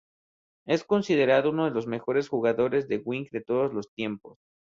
Es considerado uno de los mejores jugadores de wing de todos los tiempos.